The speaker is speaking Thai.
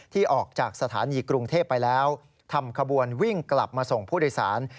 ออกจากสถานีกรุงเทพไปแล้วทำขบวนวิ่งกลับมาส่งผู้โดยสาร